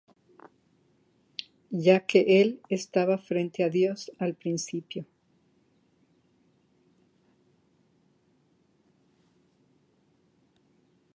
Ya que Él estaba frente a Dios al principio.